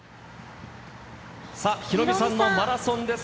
さあ、ヒロミさんのマラソンです。